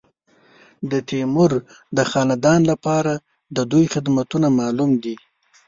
د تیمور د خاندان لپاره د دوی خدمتونه معلوم دي.